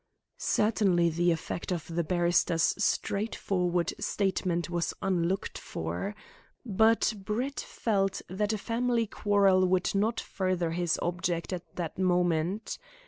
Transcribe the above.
Certainly the effect of the barrister's straightforward statement was unlooked for. But Brett felt that a family quarrel would not further his object at that moment.